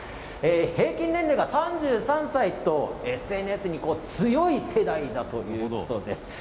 平均年齢が３３歳とＳＮＳに強い世代だということです。